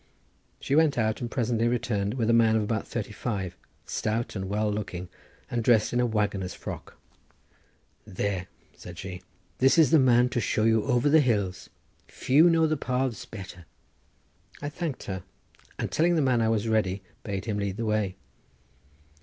She went out and presently returned with a man about thirty five, stout and well looking, and dressed in a waggoner's frock. "There," said she, "this is the man to show you over the hills; few know the paths better." I thanked her, and telling the man I was ready, bade him lead the way.